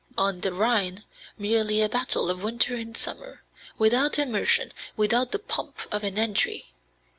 On the Rhine merely a battle of winter and summer, without immersion, without the pomp of an entry.